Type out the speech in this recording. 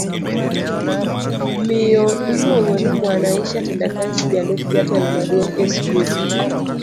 Miyo miluongo ni Mwanaisha Tendakazi jalup jatelo maduong' eskul